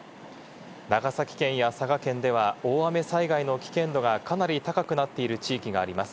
長崎県や佐賀県では大雨災害の危険度がかなり高くなっている地域があります。